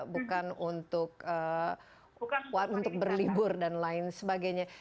bukan untuk berlibur dan lain sebagainya